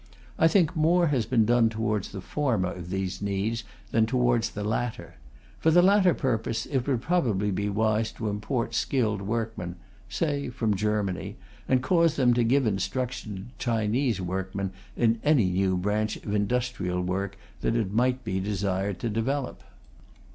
I think more has been done towards the former of these needs than towards the latter. For the latter purpose, it would probably be wise to import skilled workmen say from Germany and cause them to give instruction to Chinese workmen in any new branch of industrial work that it might be desired to develop.